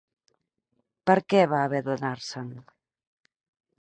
Per què va haver d'anar-se'n?